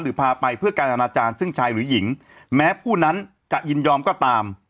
พาไปเพื่อการอนาจารย์ซึ่งชายหรือหญิงแม้ผู้นั้นจะยินยอมก็ตาม